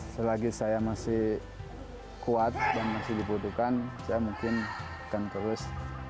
selagi saya masih kuat dan masih dibutuhkan saya mungkin akan terus